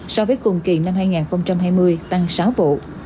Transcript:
so với cùng kỳ năm hai nghìn hai mươi tăng sáu vụ